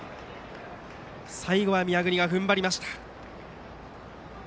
最後は宮國が踏ん張りました。